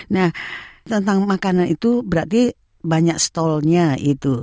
nah tentang makanan itu berarti banyak stolnya itu